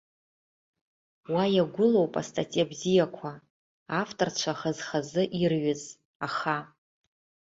Уа иагәылоуп астатиа бзиақәа, авторцәа хаз-хазы ирҩыз, аха.